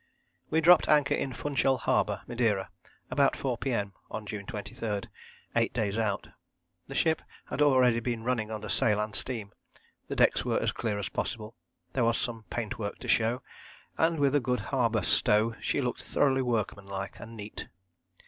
We dropped anchor in Funchal Harbour, Madeira, about 4 P.M. on June 23, eight days out. The ship had already been running under sail and steam, the decks were as clear as possible, there was some paintwork to show, and with a good harbour stow she looked thoroughly workmanlike and neat.